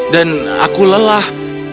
dan aku lelah